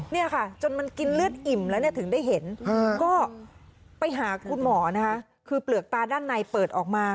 เนี่ยค่ะจนมันกินเลือดอิ่มแล้วเนี่ยถึงได้เห็นก็ไปหาคุณหมอนะคะคือเปลือกตาด้านในเปิดออกมา